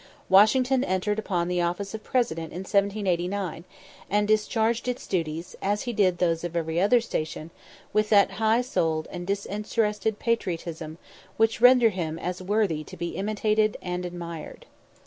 Washington entered upon the office of President in 1789, and discharged its duties, as he did those of every other station, with that high souled and disinterested patriotism which render him as worthy to be imitated as admired.